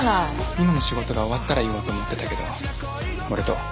今の仕事が終わったら言おうと思ってたけど俺と。